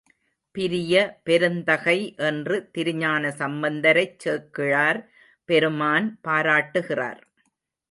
பிரிய பெருந்தகை என்று திருஞானசம்பந்தரைச் சேக்கிழார் பெருமான் பாராட்டுகிறார்.